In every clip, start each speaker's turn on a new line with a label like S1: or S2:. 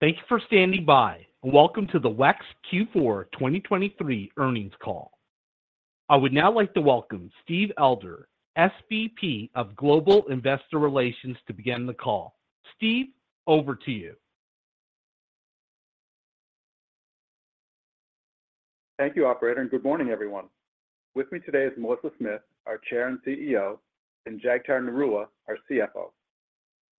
S1: Thank you for standing by, and Welcome to the WEX Q4 2023 Earnings Call. I would now like to welcome Steve Elder, SVP of Global Investor Relations, to begin the call. Steve, over to you.
S2: Thank you, operator, and good morning, everyone. With me today is Melissa Smith, our Chair and CEO, and Jagtar Narula, our CFO.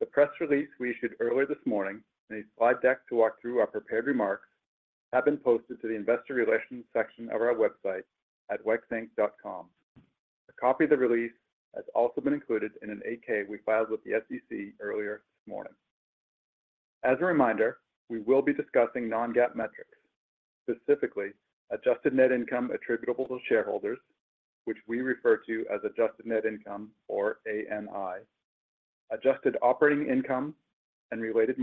S2: The press release we issued earlier this morning, and a slide deck to walk through our prepared remarks have been posted to the investor relations section of our website at wexinc.com. A copy of the release has also been included in an 8-K we filed with the SEC earlier this morning. As a reminder, we will be discussing non-GAAP metrics, specifically adjusted net income attributable to shareholders, which we refer to as adjusted net income or ANI, adjusted operating income and related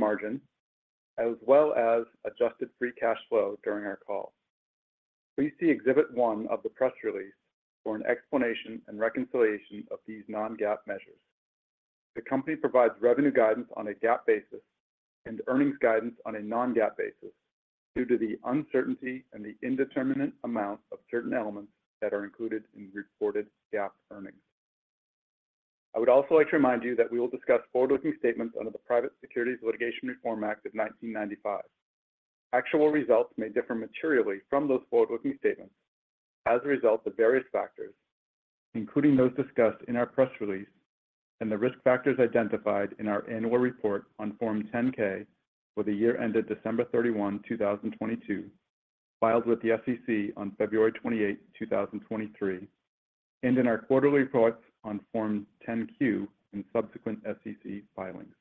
S2: margin, as well as adjusted free cash flow during our call. Please see Exhibit One of the press release for an explanation and reconciliation of these non-GAAP measures. The company provides revenue guidance on a GAAP basis and earnings guidance on a non-GAAP basis due to the uncertainty and the indeterminate amount of certain elements that are included in reported GAAP earnings. I would also like to remind you that we will discuss forward-looking statements under the Private Securities Litigation Reform Act of 1995. Actual results may differ materially from those forward-looking statements as a result of various factors, including those discussed in our press release and the risk factors identified in our annual report on Form 10-K for the year ended December 31, 2022, filed with the SEC on February 28, 2023, and in our quarterly reports on Form 10-Q in subsequent SEC filings.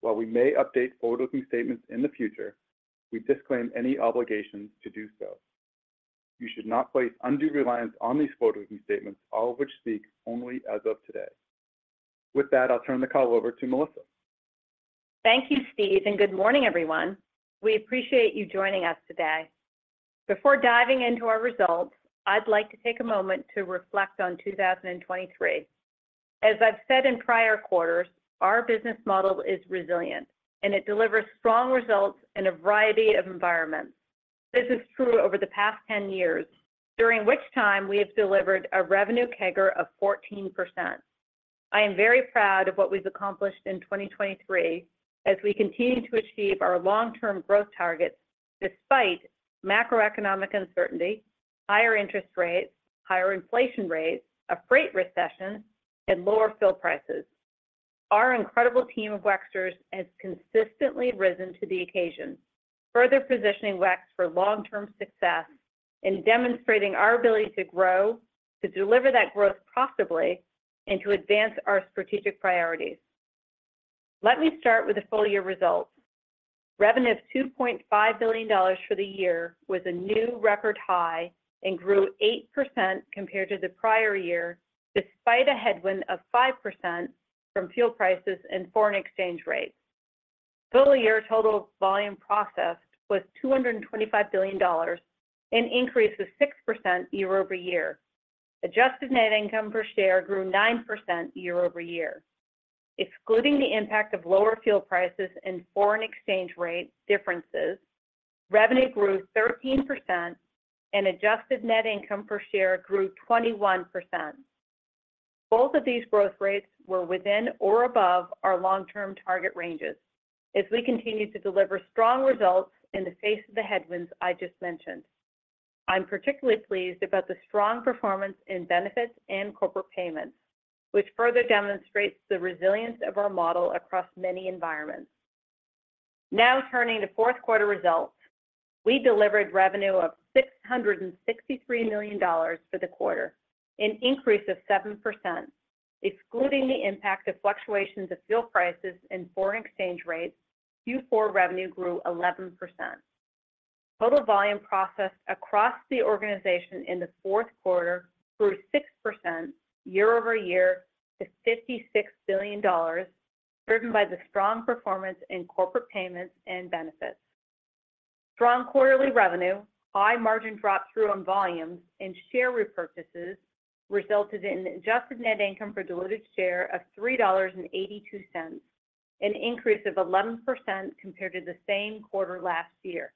S2: While we may update forward-looking statements in the future, we disclaim any obligation to do so. You should not place undue reliance on these forward-looking statements, all of which speak only as of today. With that, I'll turn the call over to Melissa.
S3: Thank you, Steve, and good morning, everyone. We appreciate you joining us today. Before diving into our results, I'd like to take a moment to reflect on 2023. As I've said in prior quarters, our business model is resilient, and it delivers strong results in a variety of environments. This is true over the past 10 years, during which time we have delivered a revenue CAGR of 14%. I am very proud of what we've accomplished in 2023 as we continue to achieve our long-term growth targets despite macroeconomic uncertainty, higher interest rates, higher inflation rates, a freight recession, and lower fuel prices. Our incredible team of WEXers has consistently risen to the occasion, further positioning WEX for long-term success in demonstrating our ability to grow, to deliver that growth profitably, and to advance our strategic priorities. Let me start with the full-year results. Revenue of $2.5 billion for the year was a new record high and grew 8% compared to the prior year, despite a headwind of 5% from fuel prices and foreign exchange rates. Full-year total volume processed was $225 billion, an increase of 6% year-over-year. Adjusted net income per share grew 9% year-over-year. Excluding the impact of lower fuel prices and foreign exchange rate differences, revenue grew 13% and adjusted net income per share grew 21%. Both of these growth rates were within or above our long-term target ranges as we continued to deliver strong results in the face of the headwinds I just mentioned. I'm particularly pleased about the strong performance in benefits and corporate payments, which further demonstrates the resilience of our model across many environments. Now, turning to Q4 results, we delivered revenue of $663 million for the quarter, an increase of 7%. Excluding the impact of fluctuations of fuel prices and foreign exchange rates, Q4 revenue grew 11%. Total volume processed across the organization in the Q4 grew 6% year-over-year to $56 billion, driven by the strong performance in corporate payments and benefits. Strong quarterly revenue, high margin drop through on volumes and share repurchases resulted in adjusted net income for diluted share of $3.82, an increase of 11% compared to the same quarter last year.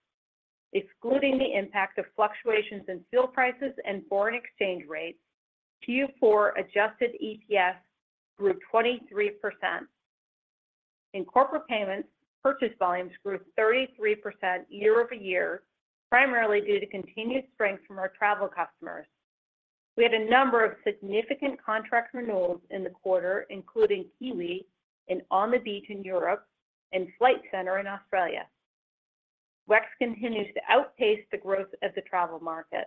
S3: Excluding the impact of fluctuations in fuel prices and foreign exchange rates, Q4 adjusted EPS grew 23%. In corporate payments, purchase volumes grew 33% year-over-year, primarily due to continued strength from our travel customers. We had a number of significant contract renewals in the quarter, including Kiwi and On the Beach in Europe and Flight Centre in Australia. WEX continues to outpace the growth of the travel market.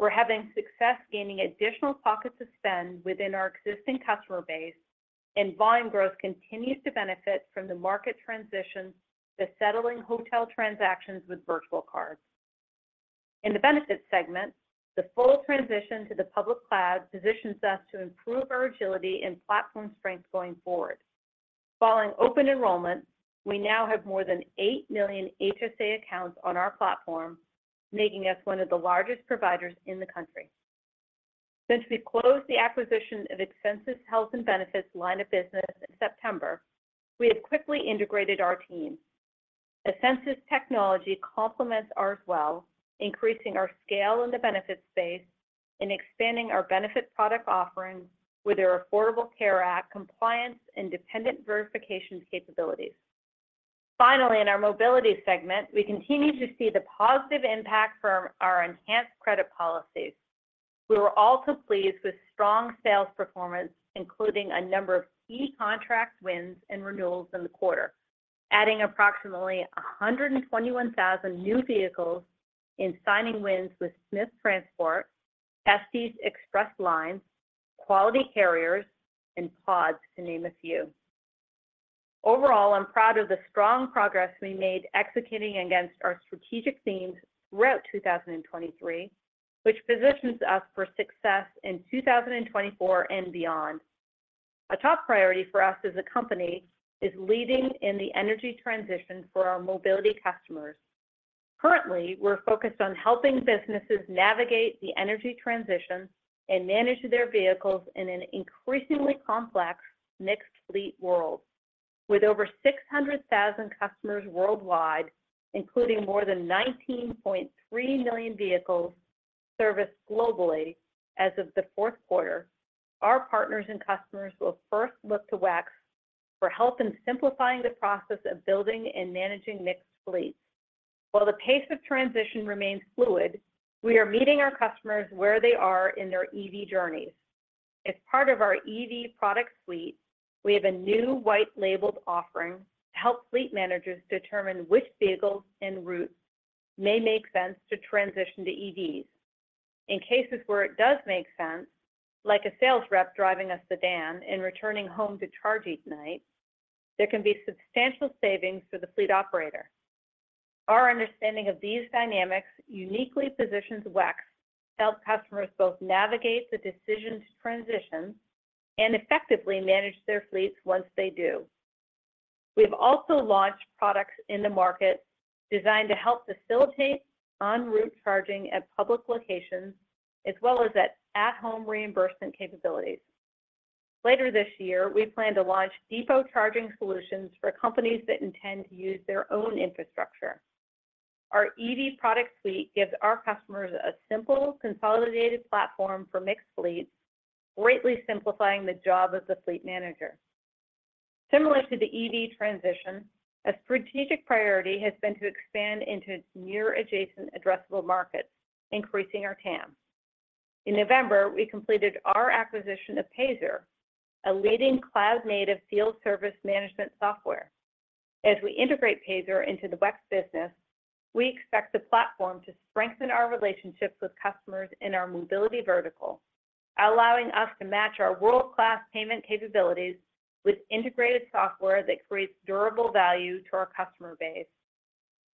S3: We're having success gaining additional pockets of spend within our existing customer base, and volume growth continues to benefit from the market transition to settling hotel transactions with virtual cards. In the benefits segment, the full transition to the public cloud positions us to improve our agility and platform strength going forward. Following open enrollment, we now have more than 8 million HSA accounts on our platform, making us one of the largest providers in the country. Since we closed the acquisition of Ascensus Health and Benefits line of business in September, we have quickly integrated our team. Ascensus technology complements ours well, increasing our scale in the benefits space and expanding our benefit product offerings with their Affordable Care Act compliance and dependent verification capabilities. Finally, in our mobility segment, we continue to see the positive impact from our enhanced credit policies. We were also pleased with strong sales performance, including a number of key contract wins and renewals in the quarter, adding approximately 121,000 new vehicles in signing wins with Smith Transport, Estes Express Lines, Quality Carriers, and PODS, to name a few. Overall, I'm proud of the strong progress we made executing against our strategic themes throughout 2023, which positions us for success in 2024 and beyond. A top priority for us as a company is leading in the energy transition for our mobility customers. Currently, we're focused on helping businesses navigate the energy transition and manage their vehicles in an increasingly complex, mixed fleet world. With over 600,000 customers worldwide, including more than 19.3 million vehicles serviced globally as of the Q4, our partners and customers will first look to WEX for help in simplifying the process of building and managing mixed fleets. While the pace of transition remains fluid, we are meeting our customers where they are in their EV journeys. As part of our EV product suite, we have a new white labeled offering to help fleet managers determine which vehicles and routes may make sense to transition to EVs. In cases where it does make sense, like a sales rep driving a sedan and returning home to charge each night, there can be substantial savings for the fleet operator. Our understanding of these dynamics uniquely positions WEX to help customers both navigate the decision to transition and effectively manage their fleets once they do. We have also launched products in the market designed to help facilitate en route charging at public locations, as well as at-home reimbursement capabilities. Later this year, we plan to launch depot charging solutions for companies that intend to use their own infrastructure. Our EV product suite gives our customers a simple, consolidated platform for mixed fleets, greatly simplifying the job of the fleet manager. Similar to the EV transition, a strategic priority has been to expand into near adjacent addressable markets, increasing our TAM. In November, we completed our acquisition of Payzer, a leading cloud-native field service management software. As we integrate Payzer into the WEX business, we expect the platform to strengthen our relationships with customers in our mobility vertical, allowing us to match our world-class payment capabilities with integrated software that creates durable value to our customer base.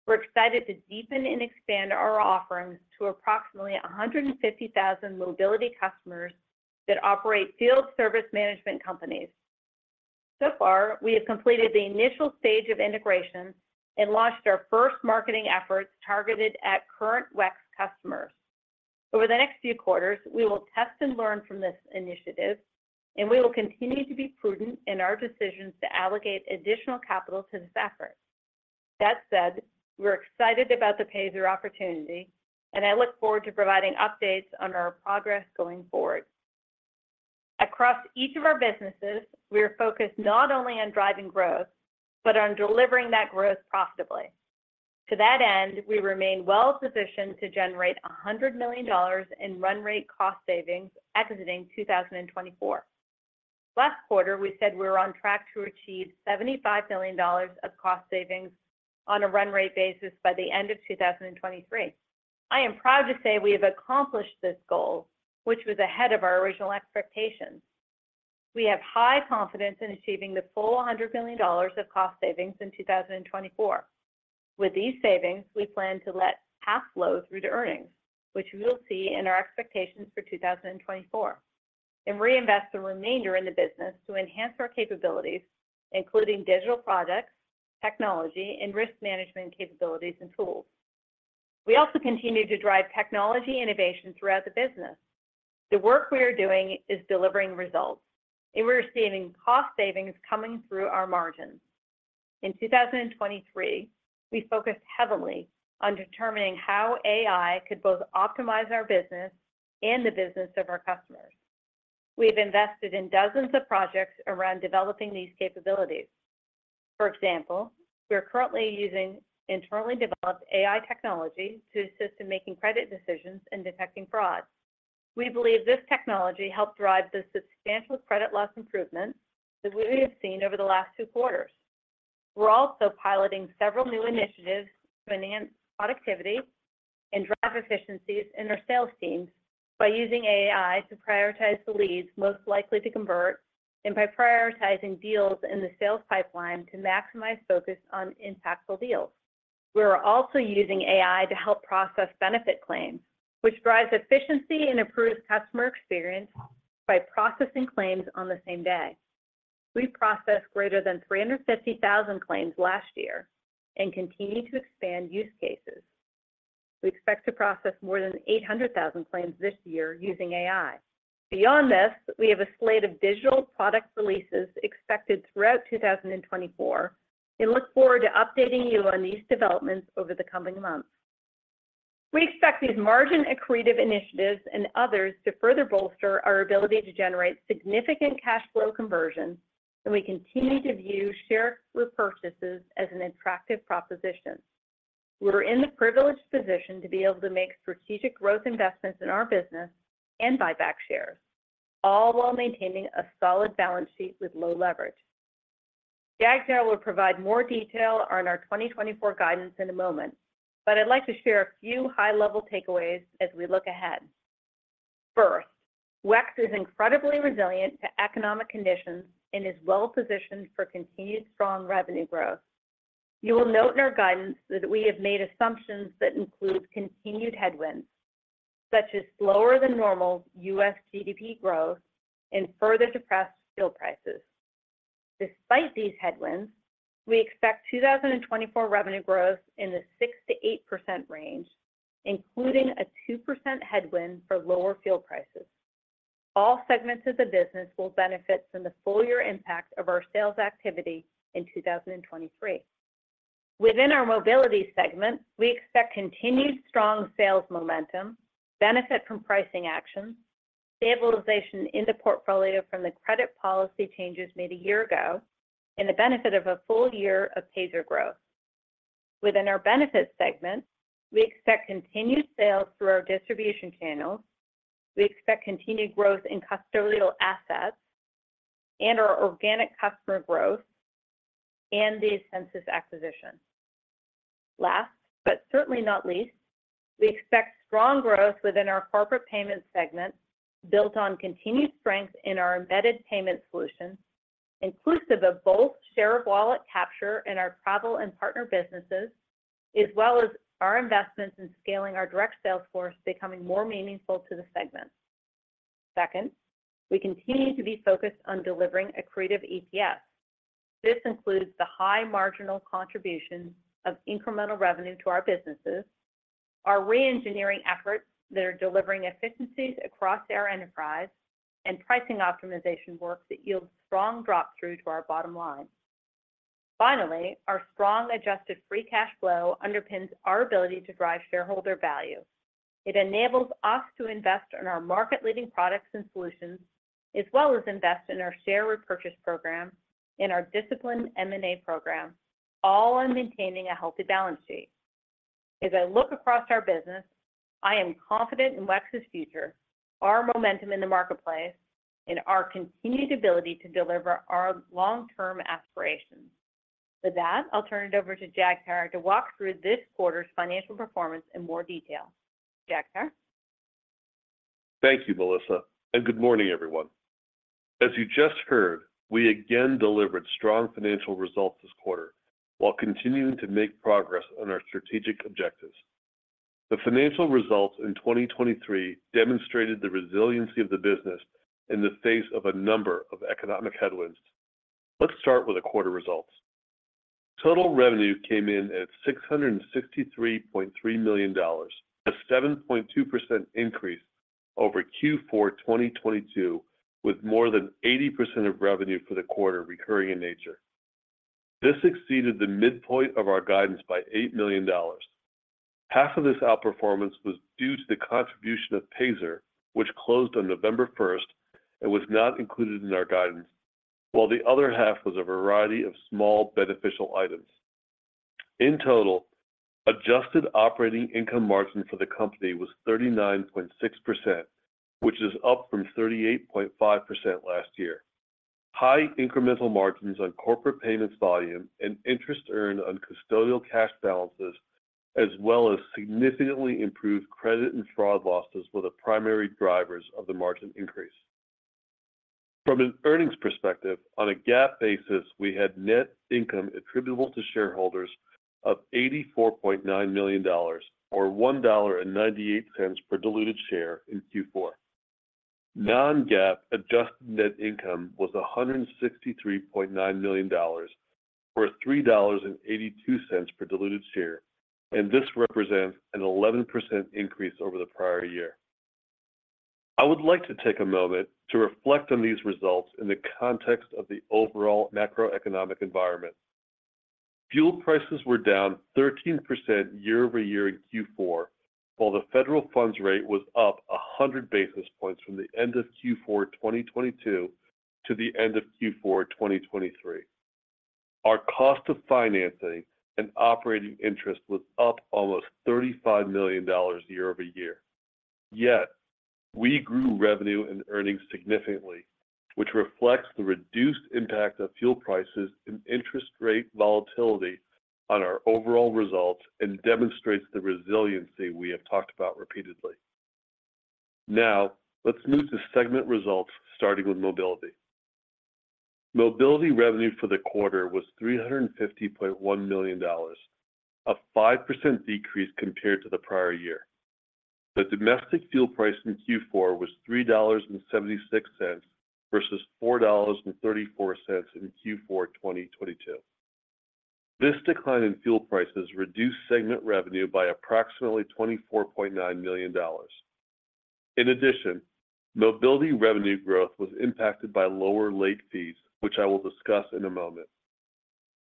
S3: We're excited to deepen and expand our offerings to approximately 150,000 mobility customers that operate field service management companies. So far, we have completed the initial stage of integration and launched our first marketing efforts targeted at current WEX customers. Over the next few quarters, we will test and learn from this initiative, and we will continue to be prudent in our decisions to allocate additional capital to this effort. That said, we're excited about the Payzer opportunity, and I look forward to providing updates on our progress going forward. Across each of our businesses, we are focused not only on driving growth, but on delivering that growth profitably. To that end, we remain well positioned to generate $100 million in run rate cost savings exiting 2024. Last quarter, we said we were on track to achieve $75 million of cost savings on a run rate basis by the end of 2023. I am proud to say we have accomplished this goal, which was ahead of our original expectations. We have high confidence in achieving the full $100 million of cost savings in 2024. With these savings, we plan to let half flow through to earnings, which you will see in our expectations for 2024, and reinvest the remainder in the business to enhance our capabilities, including digital products, technology, and risk management capabilities and tools. We also continue to drive technology innovation throughout the business. The work we are doing is delivering results, and we're seeing cost savings coming through our margins. In 2023, we focused heavily on determining how AI could both optimize our business and the business of our customers. We've invested in dozens of projects around developing these capabilities. For example, we are currently using internally developed AI technology to assist in making credit decisions and detecting fraud. We believe this technology helped drive the substantial credit loss improvements that we have seen over the last two quarters. We're also piloting several new initiatives to enhance productivity and drive efficiencies in our sales teams by using AI to prioritize the leads most likely to convert and by prioritizing deals in the sales pipeline to maximize focus on impactful deals. We are also using AI to help process benefit claims, which drives efficiency and improves customer experience by processing claims on the same day. We processed greater than 350,000 claims last year and continue to expand use cases. We expect to process more than 800,000 claims this year using AI. Beyond this, we have a slate of digital product releases expected throughout 2024, and look forward to updating you on these developments over the coming months. We expect these margin accretive initiatives and others to further bolster our ability to generate significant cash flow conversion, and we continue to view share repurchases as an attractive proposition. We're in the privileged position to be able to make strategic growth investments in our business and buy back shares, all while maintaining a solid balance sheet with low leverage. Jagtar will provide more detail on our 2024 guidance in a moment, but I'd like to share a few high-level takeaways as we look ahead. First, WEX is incredibly resilient to economic conditions and is well positioned for continued strong revenue growth. You will note in our guidance that we have made assumptions that include continued headwinds, such as slower-than-normal U.S. GDP growth and further depressed fuel prices. Despite these headwinds, we expect 2024 revenue growth in the 6%-8% range, including a 2% headwind for lower fuel prices. All segments of the business will benefit from the full year impact of our sales activity in 2023. Within our mobility segment, we expect continued strong sales momentum, benefit from pricing actions, stabilization in the portfolio from the credit policy changes made a year ago, and the benefit of a full year of Payzer growth. Within our benefits segment, we expect continued sales through our distribution channels. We expect continued growth in custodial assets and our organic customer growth and the Ascensus acquisition. Last, but certainly not least, we expect strong growth within our corporate payments segment, built on continued strength in our embedded payment solutions, inclusive of both share of wallet capture and our travel and partner businesses, as well as our investments in scaling our direct sales force becoming more meaningful to the segment. Second, we continue to be focused on delivering accretive EPS. This includes the high marginal contribution of incremental revenue to our businesses, our reengineering efforts that are delivering efficiencies across our enterprise, and pricing optimization work that yields strong drop-through to our bottom line. Finally, our strong Adjusted Free Cash Flow underpins our ability to drive shareholder value. It enables us to invest in our market-leading products and solutions, as well as invest in our share repurchase program and our disciplined M&A program, all while maintaining a healthy balance sheet. As I look across our business, I am confident in WEX's future, our momentum in the marketplace, and our continued ability to deliver our long-term aspirations. With that, I'll turn it over to Jagtar to walk through this quarter's financial performance in more detail. Jagtar?
S4: Thank you, Melissa, and good morning, everyone. As you just heard, we again delivered strong financial results this quarter while continuing to make progress on our strategic objectives. The financial results in 2023 demonstrated the resiliency of the business in the face of a number of economic headwinds. Let's start with the quarter results. Total revenue came in at $663.3 million, a 7.2% increase over Q4 2022, with more than 80% of revenue for the quarter recurring in nature. This exceeded the midpoint of our guidance by $8 million. Half of this outperformance was due to the contribution of Payzer, which closed on November first and was not included in our guidance, while the other half was a variety of small, beneficial items. In total, adjusted operating income margin for the company was 39.6%, which is up from 38.5% last year. High incremental margins on corporate payments volume and interest earned on custodial cash balances, as well as significantly improved credit and fraud losses, were the primary drivers of the margin increase. From an earnings perspective, on a GAAP basis, we had net income attributable to shareholders of $84.9 million, or $1.98 per diluted share in Q4. Non-GAAP adjusted net income was $163.9 million, or $3.82 per diluted share, and this represents an 11% increase over the prior year. I would like to take a moment to reflect on these results in the context of the overall macroeconomic environment. Fuel prices were down 13% year-over-year in Q4, while the federal funds rate was up 100 basis points from the end of Q4 2022 to the end of Q4 2023. Our cost of financing and operating interest was up almost $35 million year-over-year. Yet we grew revenue and earnings significantly, which reflects the reduced impact of fuel prices and interest rate volatility on our overall results and demonstrates the resiliency we have talked about repeatedly. Now, let's move to segment results, starting with mobility. Mobility revenue for the quarter was $350.1 million, a 5% decrease compared to the prior year.... The domestic fuel price in Q4 was $3.76 versus $4.34 in Q4 2022. This decline in fuel prices reduced segment revenue by approximately $24.9 million. In addition, mobility revenue growth was impacted by lower late fees, which I will discuss in a moment.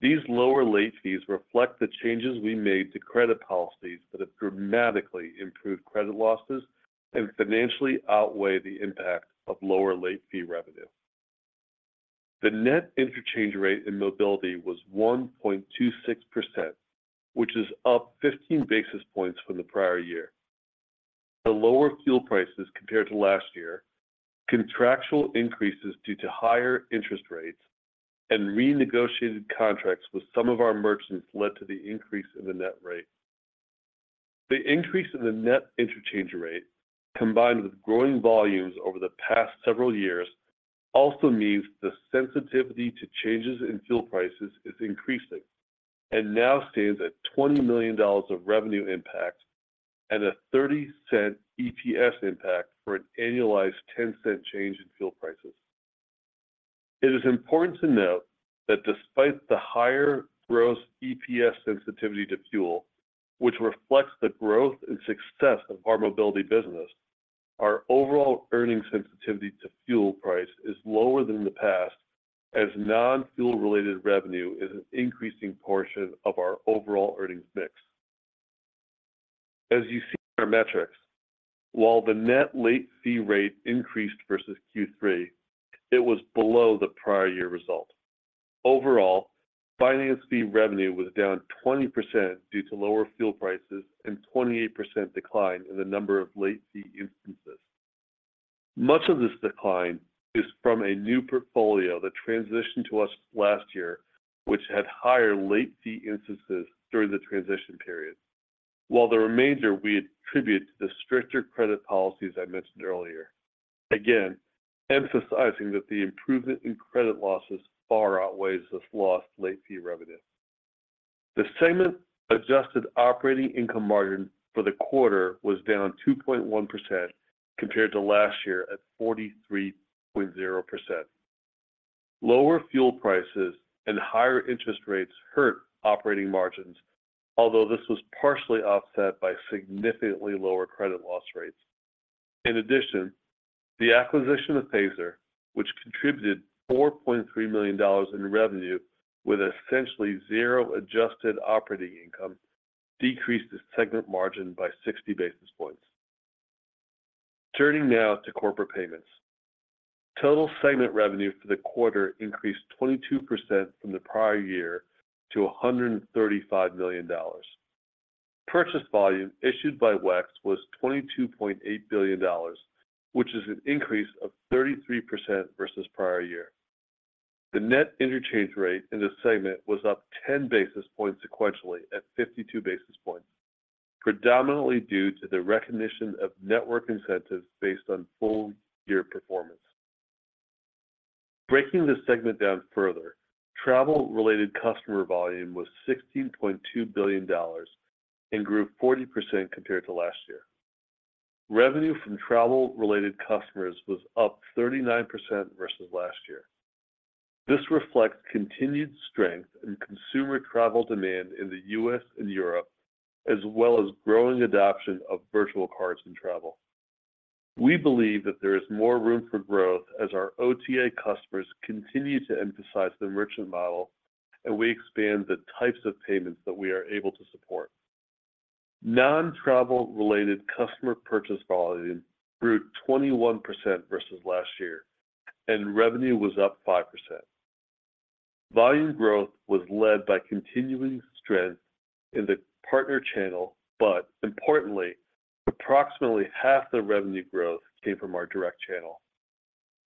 S4: These lower late fees reflect the changes we made to credit policies that have dramatically improved credit losses and financially outweigh the impact of lower late fee revenue. The net interchange rate in mobility was 1.26%, which is up 15 basis points from the prior year. The lower fuel prices compared to last year, contractual increases due to higher interest rates, and renegotiated contracts with some of our merchants led to the increase in the net rate. The increase in the net interchange rate, combined with growing volumes over the past several years, also means the sensitivity to changes in fuel prices is increasing and now stands at $20 million of revenue impact and a 30-cent EPS impact for an annualized 10-cent change in fuel prices. It is important to note that despite the higher gross EPS sensitivity to fuel, which reflects the growth and success of our mobility business, our overall earnings sensitivity to fuel price is lower than in the past, as non-fuel related revenue is an increasing portion of our overall earnings mix. As you see in our metrics, while the net late fee rate increased versus Q3, it was below the prior year result. Overall, finance fee revenue was down 20% due to lower fuel prices and 28% decline in the number of late fee instances. Much of this decline is from a new portfolio that transitioned to us last year, which had higher late fee instances during the transition period. While the remainder we attribute to the stricter credit policies I mentioned earlier, again, emphasizing that the improvement in credit losses far outweighs this lost late fee revenue. The segment's adjusted operating income margin for the quarter was down 2.1% compared to last year at 43.0%. Lower fuel prices and higher interest rates hurt operating margins, although this was partially offset by significantly lower credit loss rates. In addition, the acquisition of Payzer, which contributed $4.3 million in revenue with essentially zero adjusted operating income, decreased the segment margin by 60 basis points. Turning now to corporate payments. Total segment revenue for the quarter increased 22% from the prior year to $135 million. Purchase volume issued by WEX was $22.8 billion, which is an increase of 33% versus prior year. The net interchange rate in this segment was up 10 basis points sequentially at 52 basis points, predominantly due to the recognition of network incentives based on full-year performance. Breaking this segment down further, travel-related customer volume was $16.2 billion and grew 40% compared to last year. Revenue from travel-related customers was up 39% versus last year. This reflects continued strength in consumer travel demand in the U.S. and Europe, as well as growing adoption of virtual cards in travel. We believe that there is more room for growth as our OTA customers continue to emphasize the merchant model, and we expand the types of payments that we are able to support. Non-travel-related customer purchase volume grew 21% versus last year, and revenue was up 5%. Volume growth was led by continuing strength in the partner channel, but importantly, approximately half the revenue growth came from our direct channel.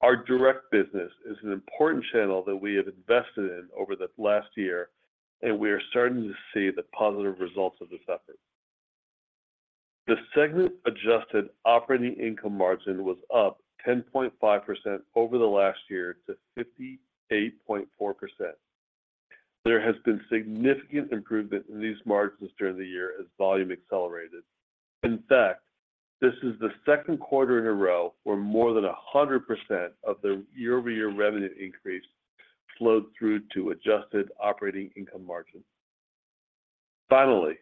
S4: Our direct business is an important channel that we have invested in over the last year, and we are starting to see the positive results of this effort. The segment's adjusted operating income margin was up 10.5% over the last year to 58.4%. There has been significant improvement in these margins during the year as volume accelerated. In fact, this is the Q2 in a row where more than 100% of the year-over-year revenue increase flowed through to adjusted operating income margin. Finally,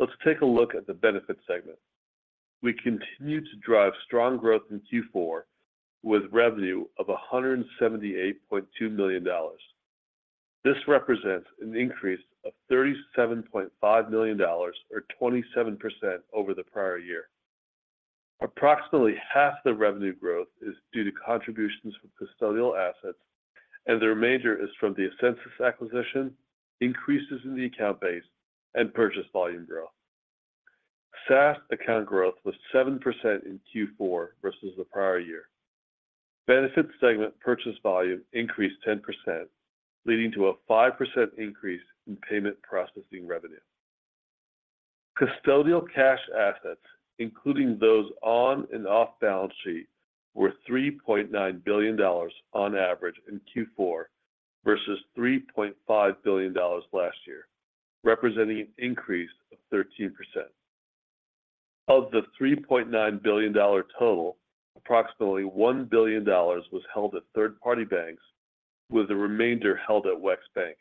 S4: let's take a look at the benefit segment. We continued to drive strong growth in Q4 with revenue of $178.2 million. This represents an increase of $37.5 million or 27% over the prior year. Approximately half the revenue growth is due to contributions from custodial assets, and the remainder is from the Ascensus acquisition, increases in the account base, and purchase volume growth. SaaS account growth was 7% in Q4 versus the prior year. Benefit segment purchase volume increased 10%, leading to a 5% increase in payment processing revenue. Custodial cash assets, including those on and off balance sheet, were $3.9 billion on average in Q4 versus $3.5 billion last year, representing an increase of 13%. Of the $3.9 billion total, approximately $1 billion was held at third-party banks, with the remainder held at WEX Bank.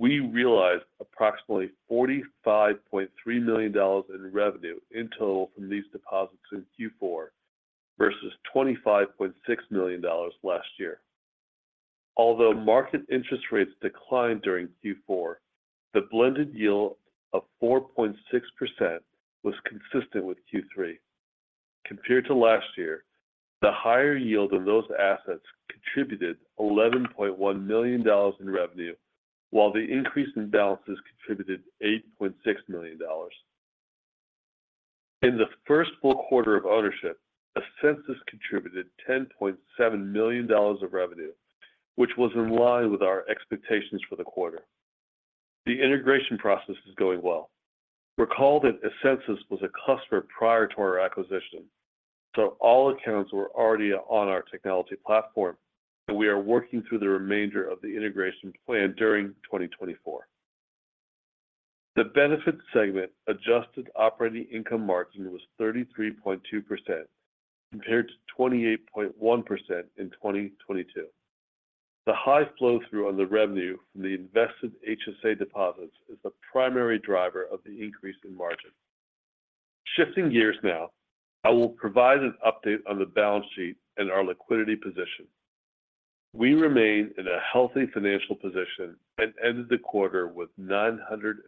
S4: We realized approximately $45.3 million in revenue in total from these deposits in Q4, versus $25.6 million last year. Although market interest rates declined during Q4, the blended yield of 4.6% was consistent with Q3. Compared to last year, the higher yield on those assets contributed $11.1 million in revenue, while the increase in balances contributed $8.6 million. In the first full quarter of ownership, Ascensus contributed $10.7 million of revenue, which was in line with our expectations for the quarter. The integration process is going well. Recall that Ascensus was a customer prior to our acquisition, so all accounts were already on our technology platform, and we are working through the remainder of the integration plan during 2024. The benefit segment adjusted operating income margin was 33.2%, compared to 28.1% in 2022. The high flow-through on the revenue from the invested HSA deposits is the primary driver of the increase in margin. Shifting gears now, I will provide an update on the balance sheet and our liquidity position. We remain in a healthy financial position and ended the quarter with $976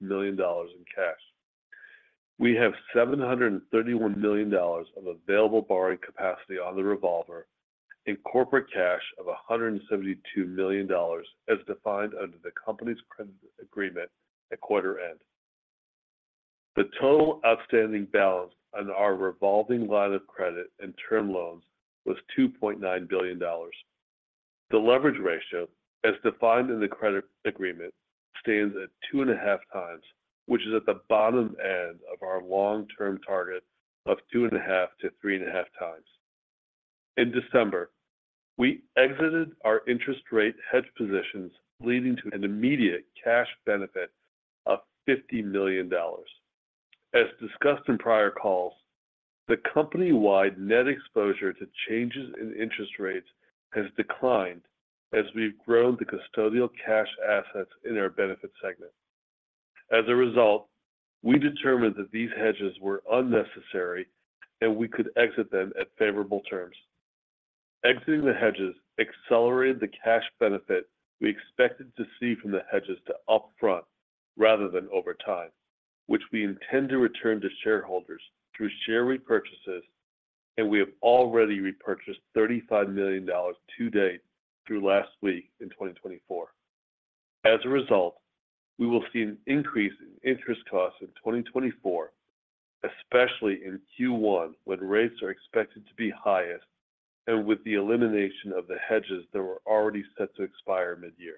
S4: million in cash. We have $731 million of available borrowing capacity on the revolver and corporate cash of $172 million, as defined under the company's credit agreement at quarter end. The total outstanding balance on our revolving line of credit and term loans was $2.9 billion. The leverage ratio, as defined in the credit agreement, stands at 2.5 times, which is at the bottom end of our long-term target of 2.5-3.5 times. In December, we exited our interest rate hedge positions, leading to an immediate cash benefit of $50 million. As discussed in prior calls, the company-wide net exposure to changes in interest rates has declined as we've grown the custodial cash assets in our benefit segment. As a result, we determined that these hedges were unnecessary and we could exit them at favorable terms. Exiting the hedges accelerated the cash benefit we expected to see from the hedges to upfront rather than over time, which we intend to return to shareholders through share repurchases. We have already repurchased $35 million to date through last week in 2024. As a result, we will see an increase in interest costs in 2024, especially in Q1, when rates are expected to be highest, and with the elimination of the hedges that were already set to expire mid-year.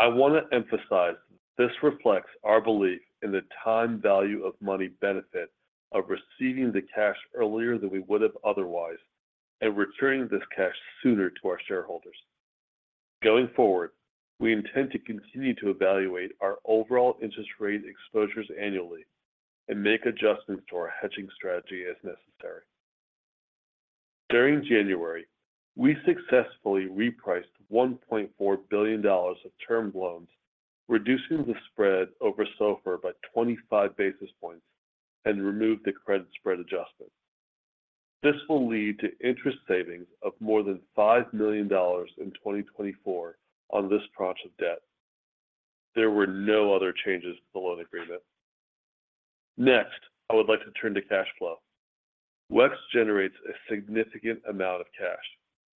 S4: I want to emphasize this reflects our belief in the time value of money benefit of receiving the cash earlier than we would have otherwise and returning this cash sooner to our shareholders. Going forward, we intend to continue to evaluate our overall interest rate exposures annually and make adjustments to our hedging strategy as necessary. During January, we successfully repriced $1.4 billion of term loans, reducing the spread over SOFR by 25 basis points and removed the credit spread adjustment. This will lead to interest savings of more than $5 million in 2024 on this tranche of debt. There were no other changes to the loan agreement. Next, I would like to turn to cash flow. WEX generates a significant amount of cash.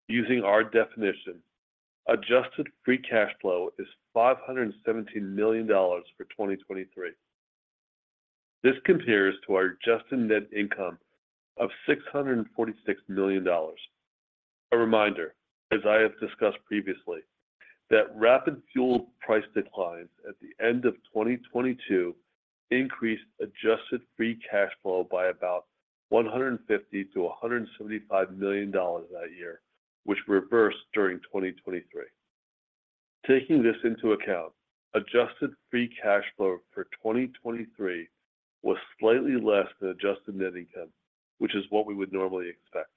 S4: Using our definition, adjusted free cash flow is $517 million for 2023. This compares to our adjusted net income of $646 million. A reminder, as I have discussed previously, that rapid fuel price declines at the end of 2022 increased adjusted free cash flow by about $150 million-$175 million that year, which reversed during 2023. Taking this into account, adjusted free cash flow for 2023 was slightly less than adjusted net income, which is what we would normally expect.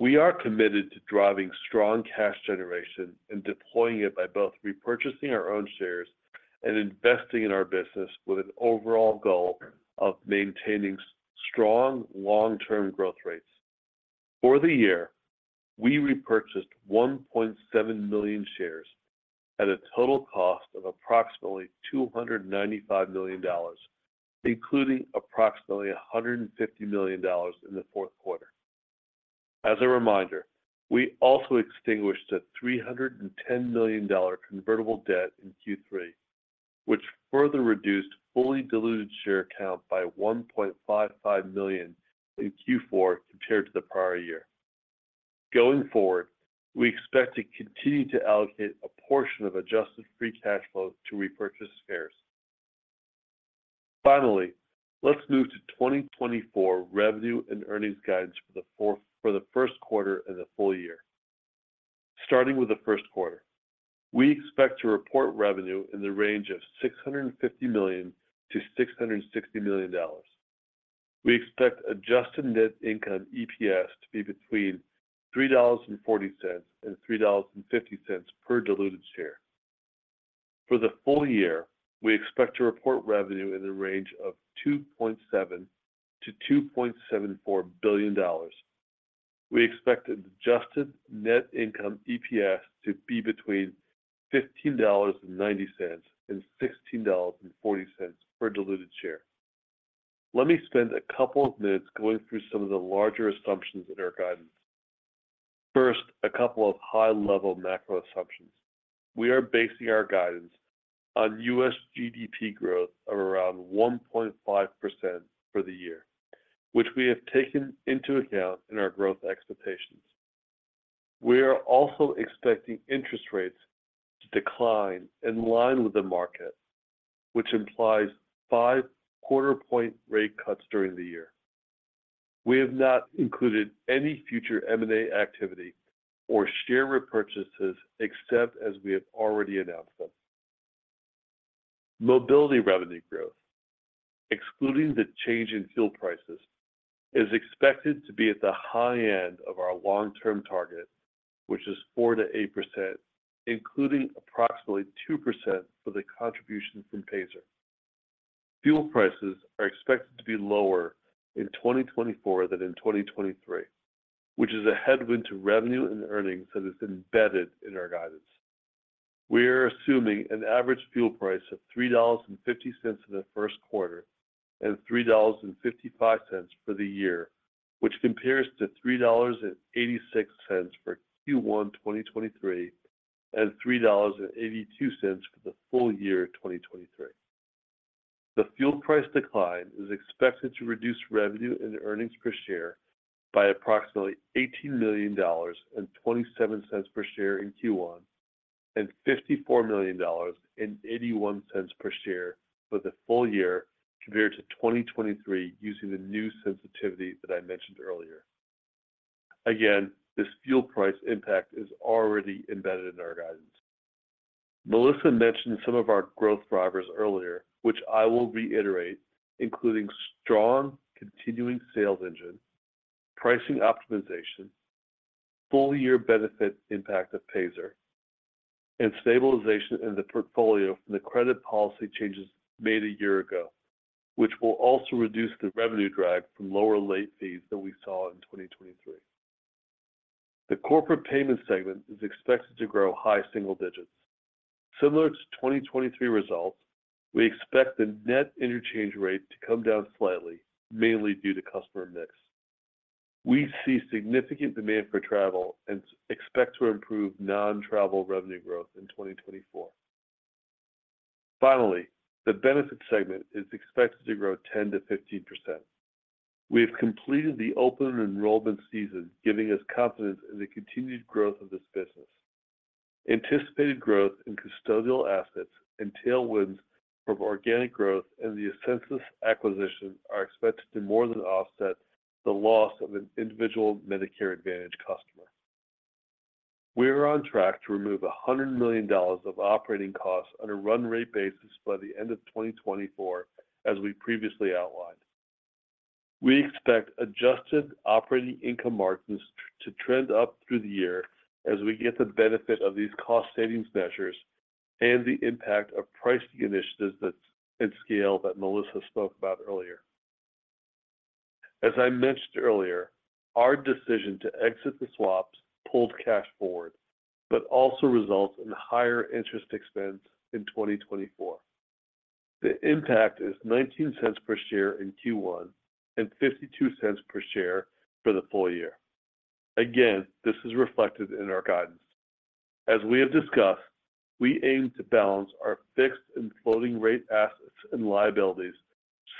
S4: We are committed to driving strong cash generation and deploying it by both repurchasing our own shares and investing in our business with an overall goal of maintaining strong, long-term growth rates. For the year, we repurchased 1.7 million shares at a total cost of approximately $295 million, including approximately $150 million in the Q4. As a reminder, we also extinguished a $310 million convertible debt in Q3, which further reduced fully diluted share count by 1.55 million in Q4 compared to the prior year. Going forward, we expect to continue to allocate a portion of Adjusted Free Cash Flow to repurchase shares. Finally, let's move to 2024 revenue and earnings guidance for the Q1 and the full year. Starting with the Q1, we expect to report revenue in the range of $650 million-$660 million. We expect Adjusted Net Income EPS to be between $3.40 and $3.50 per diluted share. For the full year, we expect to report revenue in the range of $2.7 billion-$2.74 billion. We expect Adjusted Net Income EPS to be between $15.90 and $16.40 per diluted share. Let me spend a couple of minutes going through some of the larger assumptions in our guidance. First, a couple of high-level macro assumptions. We are basing our guidance on U.S. GDP growth of around 1.5% for the year, which we have taken into account in our growth expectations. We are also expecting interest rates to decline in line with the market, which implies five quarter-point rate cuts during the year. We have not included any future M&A activity or share repurchases, except as we have already announced them. Mobility revenue growth, excluding the change in fuel prices, is expected to be at the high end of our long-term target, which is 4%-8%, including approximately 2% for the contribution from Payzer. Fuel prices are expected to be lower in 2024 than in 2023, which is a headwind to revenue and earnings that is embedded in our guidance. We are assuming an average fuel price of $3.50 in the Q1 and $3.55 for the year, which compares to $3.86 for Q1 2023, and $3.82 for the full year 2023. The fuel price decline is expected to reduce revenue and earnings per share by approximately $18 million and 27 cents per share in Q1, and $54 million and 81 cents per share for the full year, compared to 2023, using the new sensitivity that I mentioned earlier. Again, this fuel price impact is already embedded in our guidance. Melissa mentioned some of our growth drivers earlier, which I will reiterate, including strong continuing sales engine, pricing optimization, full-year benefit impact of Payzer, and stabilization in the portfolio from the credit policy changes made a year ago, which will also reduce the revenue drag from lower late fees than we saw in 2023. The corporate payment segment is expected to grow high single digits. Similar to 2023 results, we expect the net interchange rate to come down slightly, mainly due to customer mix. We see significant demand for travel and expect to improve non-travel revenue growth in 2024. Finally, the benefit segment is expected to grow 10%-15%. We have completed the open enrollment season, giving us confidence in the continued growth of this business. Anticipated growth in custodial assets and tailwinds from organic growth and the Ascensus acquisition are expected to more than offset the loss of an individual Medicare Advantage customer. We are on track to remove $100 million of operating costs on a run rate basis by the end of 2024, as we previously outlined. We expect adjusted operating income margins to trend up through the year as we get the benefit of these cost savings measures and the impact of pricing initiatives that and scale that Melissa spoke about earlier. As I mentioned earlier, our decision to exit the swaps pulled cash forward, but also results in higher interest expense in 2024. The impact is $0.19 per share in Q1 and $0.52 per share for the full year. Again, this is reflected in our guidance. As we have discussed, we aim to balance our fixed and floating rate assets and liabilities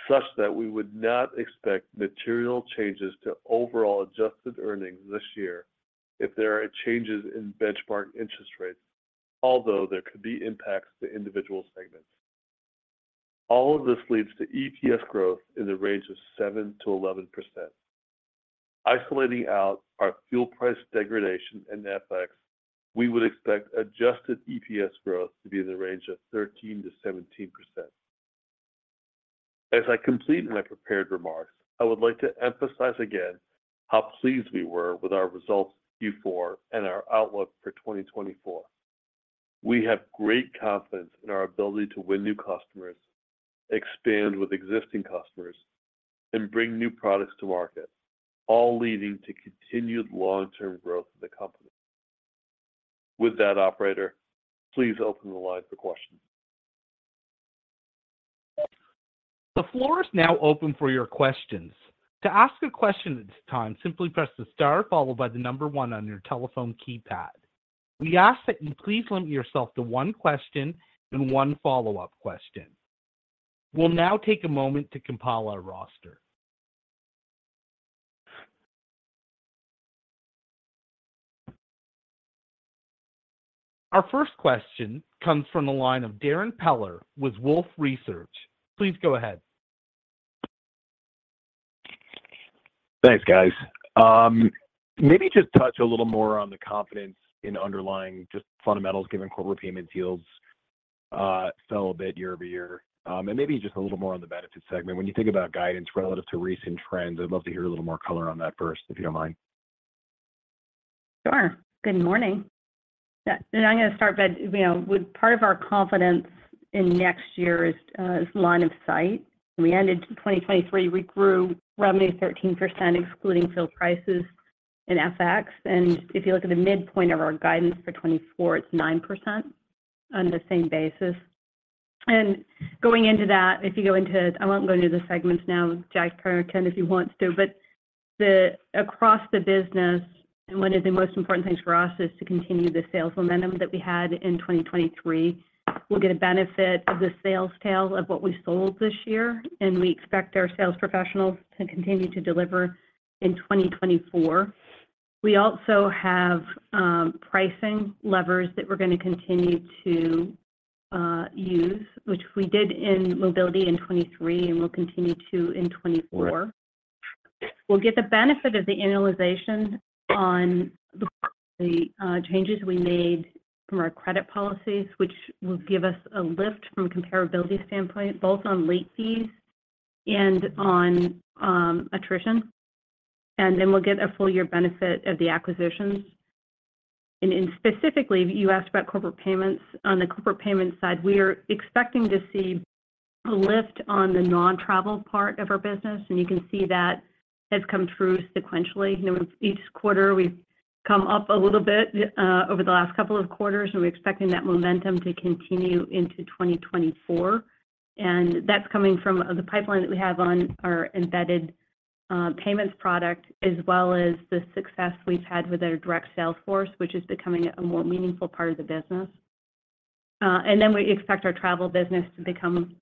S4: such that we would not expect material changes to overall adjusted earnings this year if there are changes in benchmark interest rates, although there could be impacts to individual segments. All of this leads to EPS growth in the range of 7%-11%. Isolating out our fuel price degradation and FX, we would expect adjusted EPS growth to be in the range of 13%-17%. As I complete my prepared remarks, I would like to emphasize again how pleased we were with our results Q4 and our outlook for 2024. We have great confidence in our ability to win new customers, expand with existing customers, and bring new products to market, all leading to continued long-term growth of the company. With that, operator, please open the line for questions.
S1: The floor is now open for your questions. To ask a question at this time, simply press the star followed by the number one on your telephone keypad. We ask that you please limit yourself to one question and one follow-up question. We'll now take a moment to compile our roster.... Our first question comes from the line of Darrin Peller with Wolfe Research. Please go ahead.
S5: Thanks, guys. Maybe just touch a little more on the confidence in underlying just fundamentals, given Corporate Payments yields fell a bit year-over-year. Maybe just a little more on the Benefits segment. When you think about guidance relative to recent trends, I'd love to hear a little more color on that first, if you don't mind.
S6: Sure. Good morning. Yeah, and I'm gonna start, but, you know, with part of our confidence in next year is line of sight. We ended 2023, we grew revenue 13%, excluding field prices and FX. And if you look at the midpoint of our guidance for 2024, it's 9% on the same basis. And going into that, if you go into, I won't go into the segments now, Jag can if he wants to, but the across the business, and one of the most important things for us is to continue the sales momentum that we had in 2023. We'll get a benefit of the sales tail of what we sold this year, and we expect our sales professionals to continue to deliver in 2024. We also have pricing levers that we're gonna continue to use, which we did in mobility in 2023, and we'll continue to in 2024. We'll get the benefit of the annualization on the changes we made from our credit policies, which will give us a lift from a comparability standpoint, both on late fees and on attrition. And then we'll get a full year benefit of the acquisitions. And in specifically, you asked about corporate payments. On the corporate payment side, we are expecting to see a lift on the non-travel part of our business, and you can see that has come true sequentially. You know, each quarter we've come up a little bit over the last couple of quarters, and we're expecting that momentum to continue into 2024. And that's coming from the pipeline that we have on our embedded payments product, as well as the success we've had with our direct sales force, which is becoming a more meaningful part of the business. And then we expect our travel business to become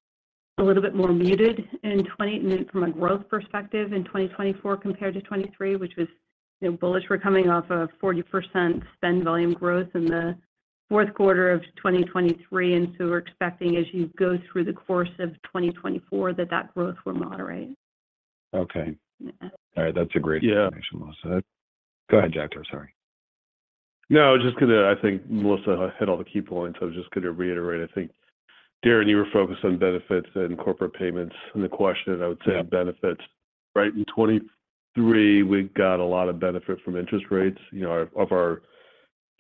S6: a little bit more muted in 2024 from a growth perspective compared to 2023, which was, you know, bullish. We're coming off a 40% spend volume growth in the Q4 of 2023, and so we're expecting, as you go through the course of 2024, that that growth will moderate.
S5: Okay.
S6: Yeah.
S5: All right. That's a great-
S4: Yeah
S5: information, Melissa. Go ahead, Jack, sorry.
S4: No, just because I think Melissa hit all the key points. I was just gonna reiterate, I think, Darrin, you were focused on benefits and corporate payments. And the question, I would say on benefits, right? In 2023, we got a lot of benefit from interest rates. You know, of our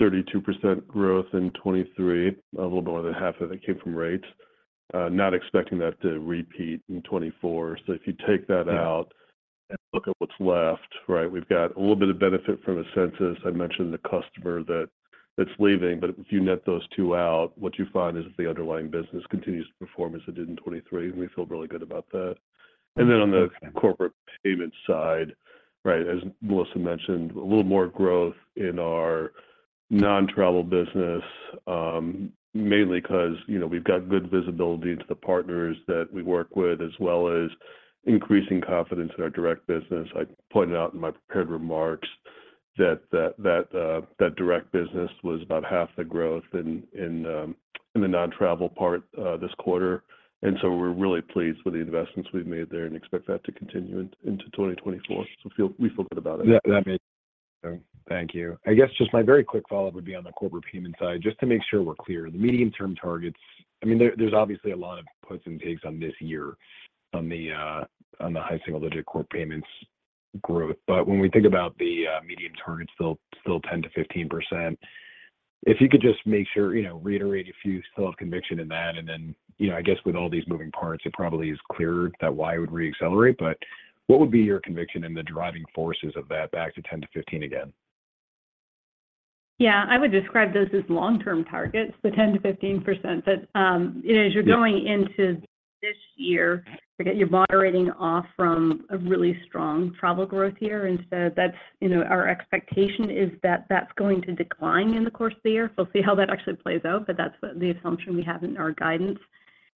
S4: 32% growth in 2023, a little more than half of it came from rates. Not expecting that to repeat in 2024. So if you take that out-
S5: Yeah
S4: And look at what's left, right? We've got a little bit of benefit from Ascensus. I mentioned the customer that's leaving, but if you net those two out, what you find is the underlying business continues to perform as it did in 2023, and we feel really good about that.
S5: Okay.
S4: And then on the corporate payments side, right, as Melissa mentioned, a little more growth in our non-travel business, mainly 'cause, you know, we've got good visibility into the partners that we work with, as well as increasing confidence in our direct business. I pointed out in my prepared remarks that that direct business was about half the growth in the non-travel part this quarter. And so we're really pleased with the investments we've made there and expect that to continue into 2024. So we feel good about it.
S5: Yeah, that makes sense. Thank you. I guess just my very quick follow-up would be on the corporate payment side, just to make sure we're clear. The medium-term targets, I mean, there's obviously a lot of puts and takes on this year on the high single digit corporate payments growth. But when we think about the medium targets, still, still 10%-15%, if you could just make sure, you know, reiterate if you still have conviction in that, and then, you know, I guess with all these moving parts, it probably is clear that Y would reaccelerate. But what would be your conviction in the driving forces of that back to 10%-15% again?
S6: Yeah, I would describe those as long-term targets, the 10%-15%. But, you know, as you're going into this year, again, you're moderating off from a really strong travel growth year. And so that's, you know, our expectation is that that's going to decline in the course of the year. So we'll see how that actually plays out, but that's what the assumption we have in our guidance.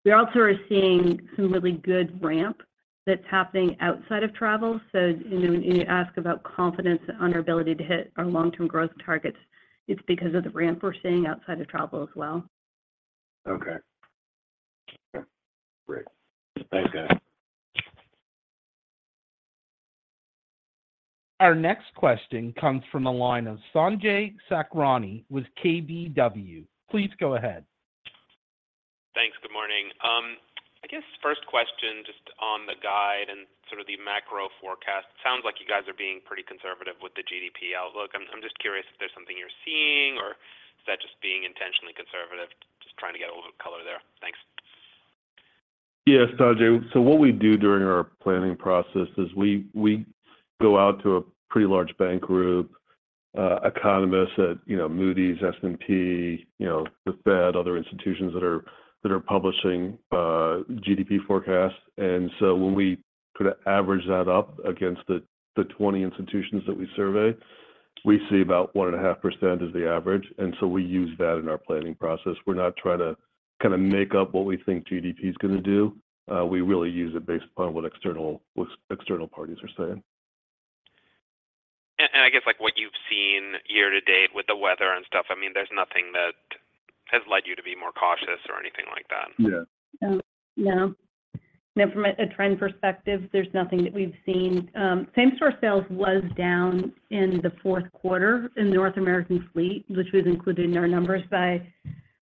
S6: We also are seeing some really good ramp that's happening outside of travel. So, you know, when you ask about confidence on our ability to hit our long-term growth targets, it's because of the ramp we're seeing outside of travel as well.
S5: Okay. Great. Thanks, guys.
S1: Our next question comes from the line of Sanjay Sakhrani with KBW. Please go ahead.
S7: Thanks. Good morning. I guess first question, just on the guide and sort of the macro forecast. Sounds like you guys are being pretty conservative with the GDP outlook. I'm just curious if there's something you're seeing, or is that just being intentionally conservative? Just trying to get a little color there. Thanks.
S4: Yes, Sanjay. So what we do during our planning process is we, we go out to a pretty large bank group, economists at, you know, Moody's, S&P, you know, the Fed, other institutions that are, that are publishing, GDP forecasts. And so when we kind of average that up against the, the 20 institutions that we survey, we see about 1.5% as the average, and so we use that in our planning process. We're not trying to kind of make up what we think GDP is gonna do. We really use it based upon what external-- what external parties are saying.
S7: I guess like what you've seen year to date with the weather and stuff, I mean, there's nothing that has led you to be more cautious or anything like that?
S4: Yeah.
S6: No. No, from a trend perspective, there's nothing that we've seen. Same-store sales was down in the Q4 in the North American fleet, which was included in our numbers by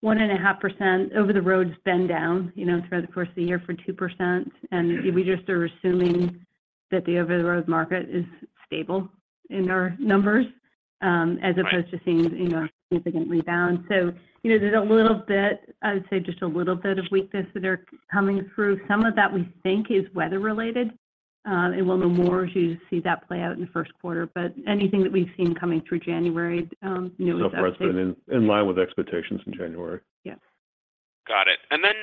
S6: 1.5%. Over-the-road's been down, you know, throughout the course of the year for 2%, and we just are assuming that the over-the-road market is stable in our numbers, as opposed-
S7: Right
S6: to seeing, you know, a significant rebound. So, you know, there's a little bit, I would say, just a little bit of weakness that are coming through. Some of that we think is weather-related, and we'll know more as you see that play out in the Q1. But anything that we've seen coming through January, no new update.
S4: In line with expectations in January.
S6: Yes.
S7: Got it. And then,